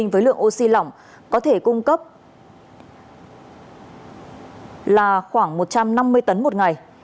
với lượng oxy lỏng có thể cung cấp là khoảng một trăm năm mươi tấn một ngày